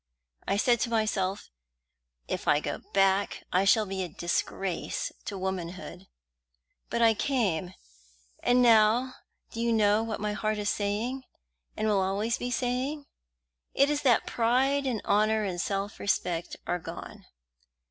I said to myself, 'If I go back I shall be a disgrace to womanhood,' But I came; and now do you know what my heart is saying, and always will be saying? It is that pride and honour and self respect are gone.